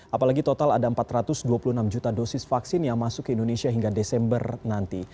apalagi total ada empat ratus dua puluh enam juta dosis vaksin yang masuk ke indonesia hingga desember nanti